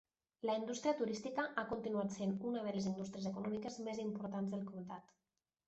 La indústria turística ha continuat sent una de les indústries econòmiques més importants del comtat.